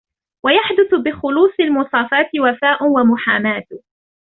وَيَحْدُثُ بِخُلُوصِ الْمُصَافَاةِ وَفَاءٌ وَمُحَامَاةٌ